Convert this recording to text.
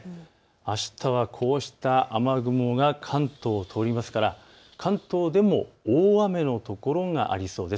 あしたはこうした雨雲が関東を通りますから関東でも大雨のところがありそうです。